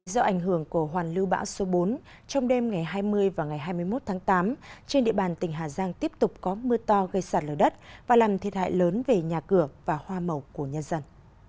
do ảnh hưởng của hoàn lưu bão số bốn trong đêm ngày hai mươi và ngày hai mươi một tháng tám trên địa bàn tỉnh hà giang tiếp tục có mưa to gây sạt lở đất và làm thiệt hại lớn về nhà cửa và hoa màu của nhân dân